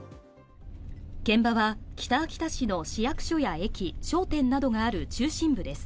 現場は北秋田市の市役所や駅、商店などがある中心部です。